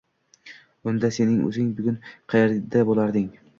Unda sening o‘zing bugun qaerda bo‘larding?